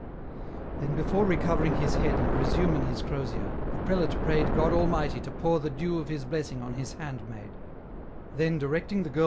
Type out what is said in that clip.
Then before re covering his head and resuming his crosier, the prelate prayed God Almighty to pour the dew of His blessing on His handmaid ; then directing the girl EN ROUTE.